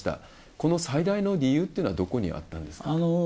この最大の理由っていうのはどこにあったですか？